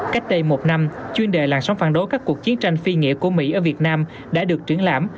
cách đây một năm chuyên đề làn sóng phản đối các cuộc chiến tranh phi nghĩa của mỹ ở việt nam đã được triển lãm